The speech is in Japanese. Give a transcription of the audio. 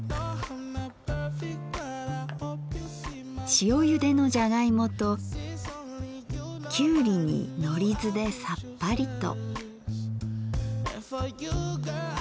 塩ゆでのじゃがいもときゅうりにのりずでさっぱりと。